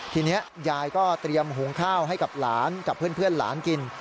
ทีนี้ยายก็เตรียมหุงข้าวให้กับหลานกับเพื่อนหลานกิน